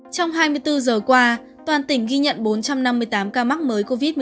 trong hai mươi bốn giờ qua toàn tỉnh ghi nhận bốn trăm năm mươi tám ca mắc mới covid một mươi chín